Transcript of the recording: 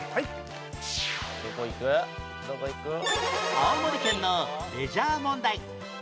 青森県のレジャー問題